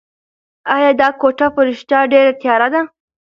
ایا دا کوټه په رښتیا ډېره تیاره ده؟